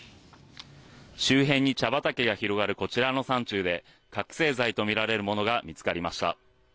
周辺に茶畑が広がるこちらの山中で覚醒剤とみられるものが見つかりました。